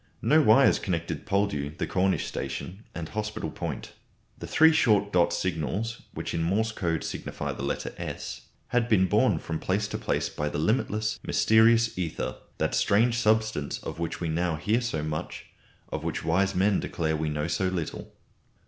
No wires connected Poldhu, the Cornish station, and Hospital Point. The three short dot signals, which in the Morse code signify the letter S, had been borne from place to place by the limitless, mysterious ether, that strange substance of which we now hear so much, of which wise men declare we know so little.